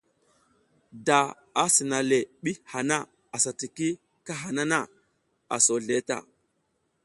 Da a sina le ɓi hana asa tiki kahana na, a so zleʼe ta.